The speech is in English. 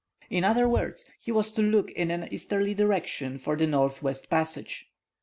In other words he was to look in an easterly direction for the north west passage.